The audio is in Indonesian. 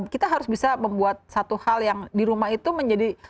kita harus bisa membuat satu hal yang di rumah itu menjadi